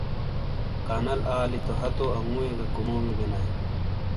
کانل آلی تو ہتو انگوئیے گہ کُمومیئے بینایئے۔